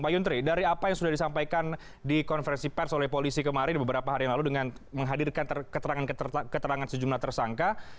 pak yuntri dari apa yang sudah disampaikan di konferensi pers oleh polisi kemarin beberapa hari yang lalu dengan menghadirkan keterangan sejumlah tersangka